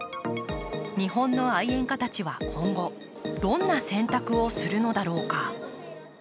日本の愛煙家たちは今後、どんな選択をするのだろうか。